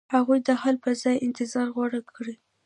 هغوی د حل په ځای انتظار غوره کړ.